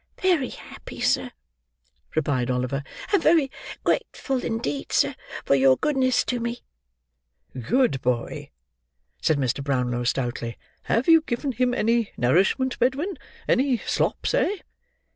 "Very happy, sir," replied Oliver. "And very grateful indeed, sir, for your goodness to me." "Good boy," said Mr. Brownlow, stoutly. "Have you given him any nourishment, Bedwin? Any slops, eh?"